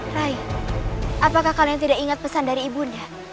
rai apakah kalian tidak ingat pesan dari ibunya